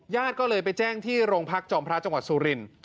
ญาติก็เลยไปแจ้งที่โรงพักจอมพระจังหวัดสุรินทร์